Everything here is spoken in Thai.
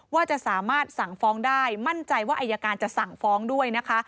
ว่าจะสามารถสั่งฟ้องได้มั่นใจว่าอายการจะสั่งฟ้องด้วยนะคะ